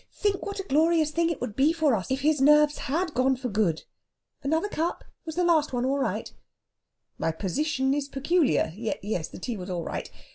Think what a glorious thing it would be for us if his nerves had gone for good. Another cup? Was the last one right?" "My position is peculiar. (Yes, the tea was all right.)